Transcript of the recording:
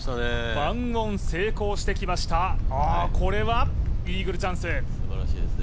１オン成功してきましたこれはイーグルチャンス。